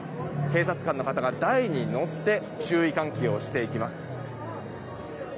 警察官の方が台に乗って注意喚起をしていきます。